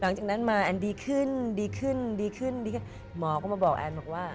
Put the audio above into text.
หลังจากนั้นมาอันดีขึ้นหมอก็มาบอกอันว่า